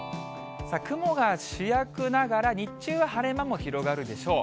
雲が主役ながら、日中は晴れ間も広がるでしょう。